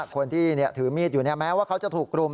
คนที่ถือมีดอยู่แม้ว่าเขาจะถูกรุม